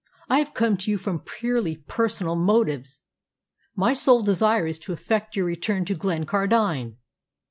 I have come to you from purely personal motives. My sole desire is to effect your return to Glencardine."